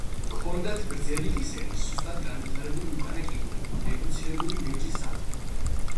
ჰქონდათ გრძელი კისერი, სუსტად განვითარებული უკანა კიდურები, რედუცირებული მენჯის სარტყელი.